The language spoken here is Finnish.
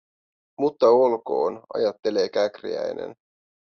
Mutta olkoon, ajattelee Käkriäinen.